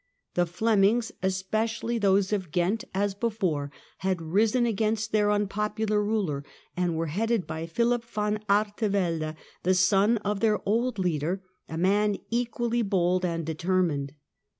The Flemings, especially those of Ghent as before, had risen against their unpopular ruler, and were headed by Philip van Artevelde, the son of their old leader, a man equally bold and determined.